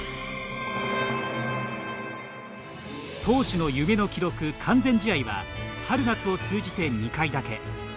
投手の夢の記録、完全試合は春・夏を通じて２回だけ。